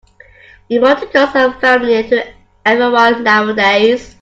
Emoticons are familiar to everyone nowadays.